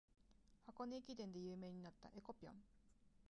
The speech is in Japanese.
箱根駅伝で有名になった「えこぴょん」